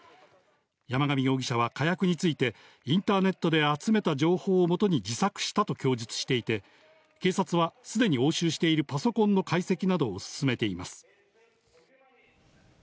山上容疑者は火薬について、インターネットで集めた情報をもとに自作したと供述していて、警察は、すでに押収しているパソコンの解析などを進めています。